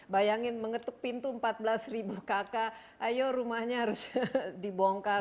bayangin mengetuk pintu empat belas ribu kakak ayo rumahnya harus dibongkar